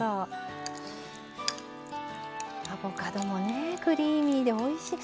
アボカドもねクリーミーでおいしい。